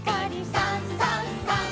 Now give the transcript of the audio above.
「さんさんさん」